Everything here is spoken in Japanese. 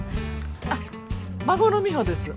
あっ孫の美帆です。